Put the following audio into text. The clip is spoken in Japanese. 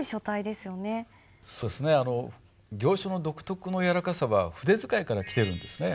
そうですね行書の独特のやわらかさは筆使いから来てるんですね。